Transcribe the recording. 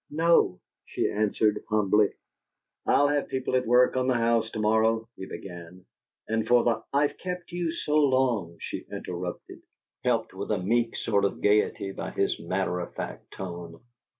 "No," she answered, humbly. "I'll have people at work on the old house to morrow," he began. "And for the " "I've kept you so long!" she interrupted, helped to a meek sort of gayety by his matter of fact tone.